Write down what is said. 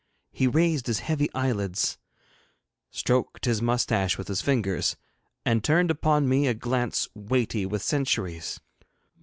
He raised his heavy eyelids, stroked his moustache with his fingers, and turned upon me a glance weighty with centuries.